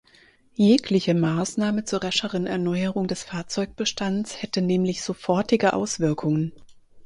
Jegliche Maßnahme zur rascheren Erneuerung des Fahrzeugbestands hätte nämlich sofortige Auswirkungen.